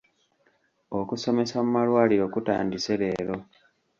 Okusomesa mu malwaliiro kutandise leero.